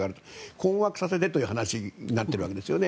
困惑させてという話になっているわけですね。